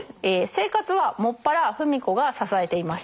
生活は専ら芙美子が支えていました。